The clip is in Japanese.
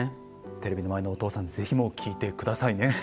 テレビの前のお父さん是非もう聞いてくださいね。